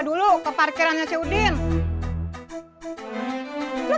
mau gainkle pakeons danuseg lagi